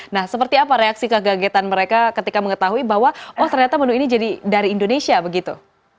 nah seperti apa reaksi kegagetan mereka ketika mengetahui bahwa oh ternyata menu ini jadi dari indonesia begitu